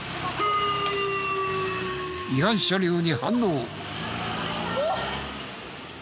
違反車両に反応！